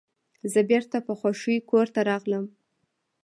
زه بیرته په خوښۍ کور ته راغلم.